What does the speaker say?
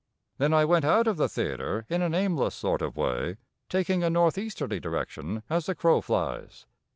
Then I went out of the theatre in an aimless sort of way, taking a northeasterly direction as the crow flies.